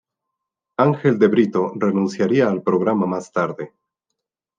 Ángel de Brito renunciaría al programa más tarde.